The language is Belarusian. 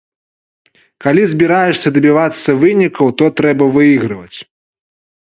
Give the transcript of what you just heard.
Калі збіраешся дабівацца вынікаў, то трэба выйграваць.